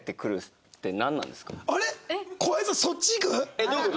えっどういう事？